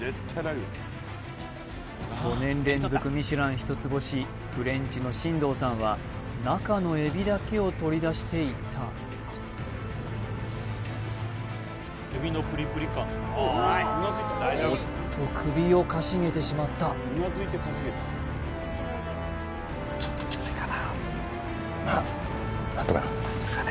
５年連続ミシュラン一つ星フレンチの進藤さんは中のエビだけを取り出していったおっと首をかしげてしまった大丈夫ですかね？